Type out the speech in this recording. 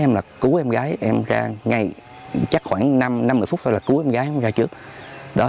em là cứu em gái em ra ngay chắc khoảng năm một mươi phút thôi là cứu em gái em ra trước